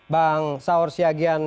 bang saur siagian